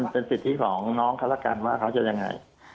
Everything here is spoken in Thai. เป็นศิษย์ของน้องกันเหล่าการว่าเขาจะจะไง